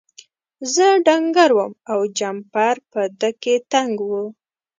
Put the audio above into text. زه ډنګر وم او جمپر په ده کې تنګ و.